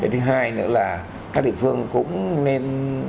thứ hai nữa là các địa phương cũng nên